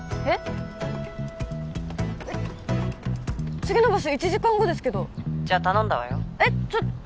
えっ次のバス１時間後ですけど☎じゃあ頼んだわよえっちょ